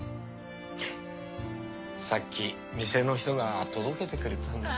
さっき店の人が届けてくれたんですよ。